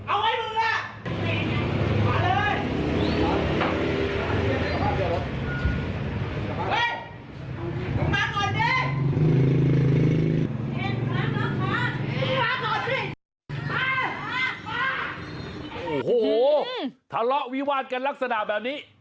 โอ้โหทะเลาะวิวาดกันลักษณะแบบนี้